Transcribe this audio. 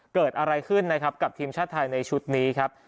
เกิดอะไรขึ้นนะครับกับทีมชาติไทยในชุดนี้ครับ